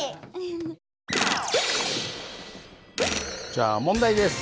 じゃあ問題です。